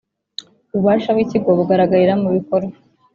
Ububasha bw Ikigo bugaragarira mu bikorwa